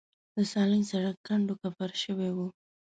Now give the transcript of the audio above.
د سالنګ سړک کنډو کپر شوی و.